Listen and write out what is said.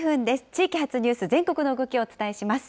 地域発ニュース、全国の動きをお伝えします。